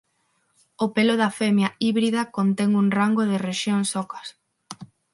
O pelo da femia híbrida "contén un rango de rexións ocas".